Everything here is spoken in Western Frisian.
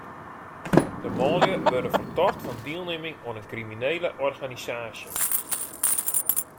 De manlju wurde fertocht fan dielnimming oan in kriminele organisaasje.